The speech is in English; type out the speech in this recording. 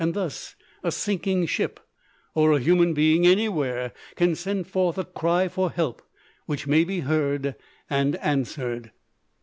Thus, a sinking ship or a human being anywhere can send forth a cry for help which may be heard and answered.